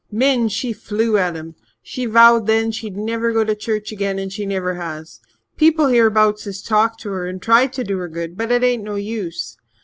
Min, she flew at him. She vowed then she'd never go to church again, and she never has. People hereabouts has talked to her and tried to do her good, but it ain't no use.